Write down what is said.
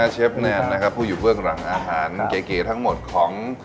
เชฟแนนนะครับผู้อยู่เบื้องหลังอาหารเก๋ทั้งหมดของ